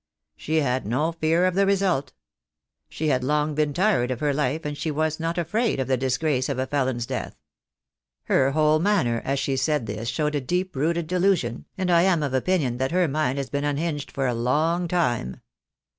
She had no fear of the result. She had long been tired of her life, and she was not afraid of the disgrace of a felon's death. Her whole manner, as she said this showed a deep rooted de lusion, and I am of opinion that her mind has been un hinged for a long time.